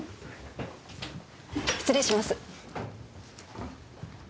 失礼します。